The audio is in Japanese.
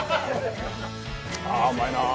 あっ、うまいなあ。